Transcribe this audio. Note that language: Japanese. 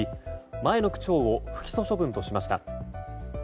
前の区長を不起訴処分としました。